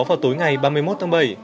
vào tối ngày ba mươi một tháng bảy